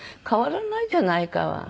変わらないじゃないか。